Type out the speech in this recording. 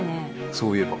そういえば。